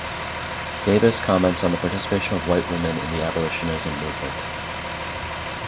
Davis comments on the participation of white women in the abolitionism movement.